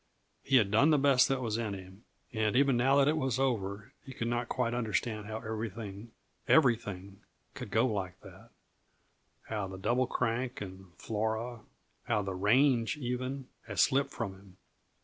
He had done the best that was in him, and even now that it was over he could not quite understand how everything, everything could go like that; how the Double Crank and Flora how the range, even, had slipped from him.